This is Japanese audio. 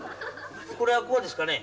これはこうですかね。